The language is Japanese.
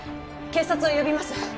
警察を呼びます。